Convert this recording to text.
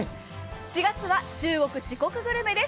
４月は中国・四国グルメです。